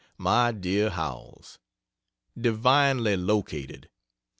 MY DEAR HOWELLS, ....divinely located.